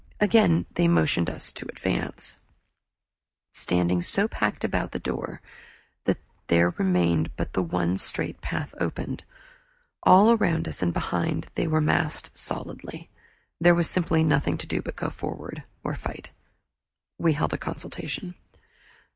Again they motioned us to advance, standing so packed about the door that there remained but the one straight path open. All around us and behind they were massed solidly there was simply nothing to do but go forward or fight. We held a consultation.